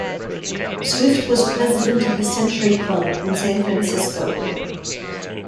Swift was president of the Century Club in San Francisco.